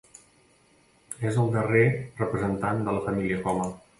És el darrer representant de la família Coma.